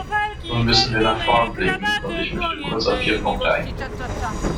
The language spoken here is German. Nun müssen wir nach vorn blicken, und ich möchte kurz auf vier Punkte eingehen.